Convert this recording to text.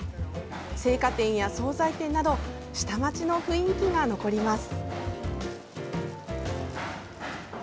青果店や総菜店など下町の雰囲気が残ります。